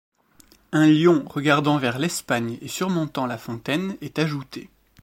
Un lion regardant vers l'Espagne et surmontant la fontaine est ajouté.